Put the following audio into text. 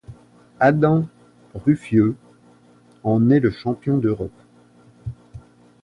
Adam Ruffieux en est le champion d'Europe.